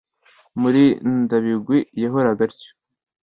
Murindabigwi yahoraga atyo.